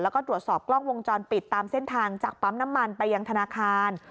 แล้วก็ตรวจสอบกล้องวงจรปิดตามเส้นทางจากปั๊มน้ำมันไปยังธนาคาร